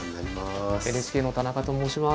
ＮＨＫの田中と申します。